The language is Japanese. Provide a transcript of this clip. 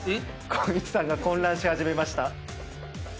光一さんが混乱し始めました。